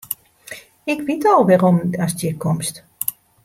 Ik wit al wêrom ast hjir komst.